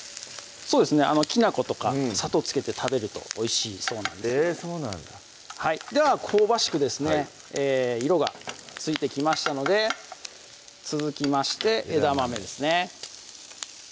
そうですねきなことか砂糖付けて食べるとおいしいそうなんですけどもでは香ばしくですね色がついてきましたので続きまして枝豆ですね